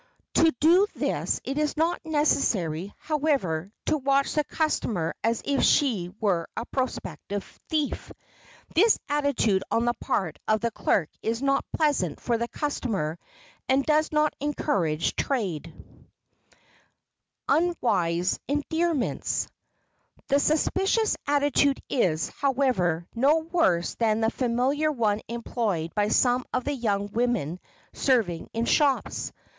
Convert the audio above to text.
To do this it is not necessary, however, to watch the customer as if she were a prospective thief. This attitude on the part of the clerk is not pleasant for the customer and does not encourage trade. [Sidenote: UNWISE ENDEARMENTS] The suspicious attitude is, however, no worse than the familiar one employed by some of the young women serving in shops.